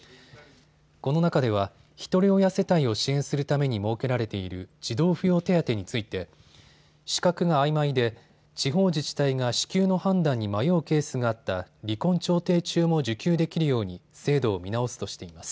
この中ではひとり親世帯を支援するために設けられている児童扶養手当について資格があいまいで地方自治体が支給の判断に迷うケースがあった離婚調停中も受給できるように制度を見直すとしています。